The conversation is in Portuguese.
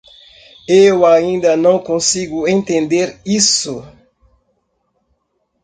Eu ainda não consigo entender isso.